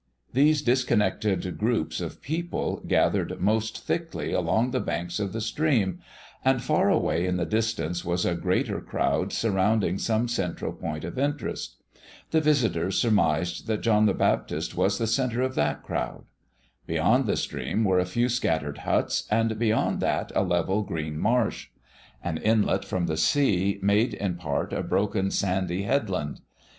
These disconnected groups of people gathered most thickly along the banks of the stream, and far away in the distance was a greater crowd surrounding some central point of interest. The visitors surmised that John the Baptist was the centre of that crowd. Beyond the stream were a few scattered huts, and beyond that a level, green marsh. An inlet from the sea made in part a broken, sandy headland.